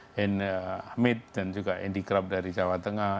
kepada hamid dan andy krab dari jawa tengah